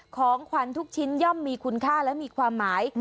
ของขวัญทุกชิ้นย่อมมีคุณค่าและมีความหมาย